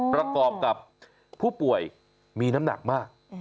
ประกอบกับผู้ป่วยมีน้ำหนักมาก